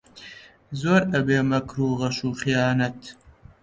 زۆر ئەبێ مەکر و غەش و خەیانەت